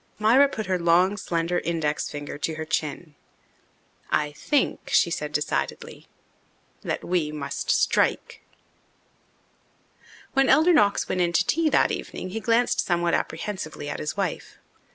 Myra put her long, slender index finger to her chin. "I think," she said decidedly, "that we must strike." When Elder Knox went in to tea that evening he glanced somewhat apprehensively at his wife.